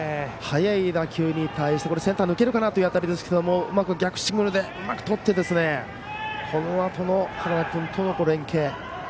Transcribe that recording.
速い打球に対してセンターに抜けるかなという当たりですけどうまく逆シングルでとってこのあとの原田君との連係。